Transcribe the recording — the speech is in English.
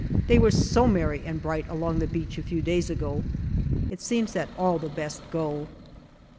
They were so merry and bright along the beach a few days ago. It seems that all the best go.